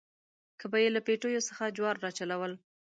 کله به یې له پټیو څخه جوار راچلول.